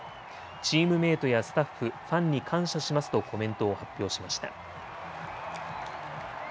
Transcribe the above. チームメートやスタッフ、ファンに感謝しますとコメントを発表しました。